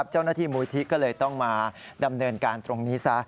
เจ้าหน้าที่มูลที่ก็เลยต้องมาดำเนินการตรงนี้ซะ